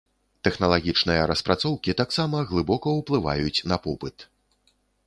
Тэхналагічныя распрацоўкі таксама глыбока ўплываюць на попыт.